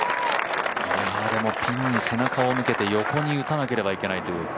でもピンに背中を向けて横に打たなければいけないという。